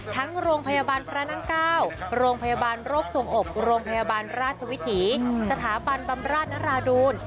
ทั้งโรงพยาบาลพระนั่ง๙โรงพยาบาลโรคสวงอกโรงพยาบาลราชวิถีสถาบันบำราชนราดูล